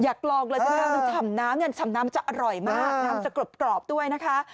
อยากลองเลยถ้าชำน้ำชำน้ำจะอร่อยมากน้ำจะกรอบด้วยนะคะ